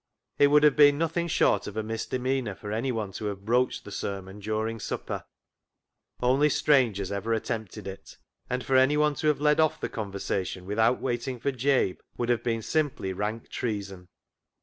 It would have been nothing short of a misdemeanour for any one to have broached the sermon during supper, — only strangers ever attempted it, — and for any one to have led off the conversation without wait ing for Jabe would have been simply rank treason.